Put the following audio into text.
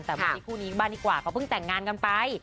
แต่วันนี้คู่นี้ก็บ้านดีกว่าเค้าเพิ่งแต่งงานกันไป